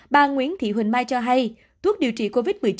bà nguyễn thị huỳnh mai cho hay thuốc điều trị covid một mươi chín